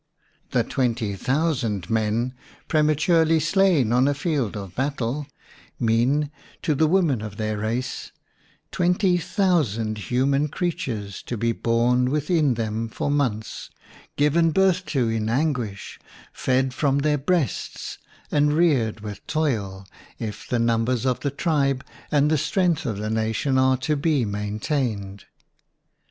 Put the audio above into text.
WOMAN AND WAR The twenty thousand men prema turely slain on a field of battle, mean, to the women of their race, twenty thou sand human creatures to be borne with in them for months, given birth to in anguish, fed from their breasts and reared with toil, if the numbers of the tribe and the strength of the nation are to be maintained.